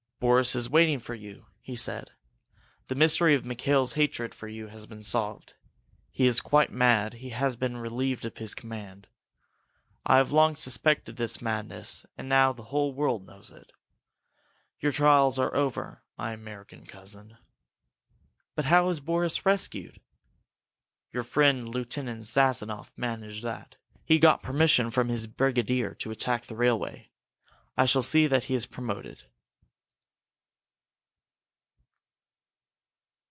"Boris is waiting for you," he said. "The mystery of Mikail's hatred for you has been solved. He is quite mad he has been relieved of his command. I have long suspected this madness and now the whole world knows it! Your trials are over, my American cousin!" "But how was Boris rescued?" "Your friend Lieutenant Sazonoff managed that. He got permission from his brigadier to attack the railway. I shall see that he is promoted."